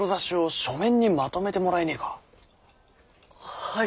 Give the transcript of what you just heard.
はい！